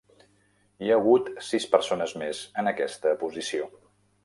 Hi ha hagut sis persones més en aquesta posició.